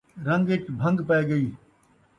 رن٘گ ءِچ بھن٘گ پئے ڳئی